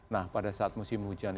nah pada saat musim hujan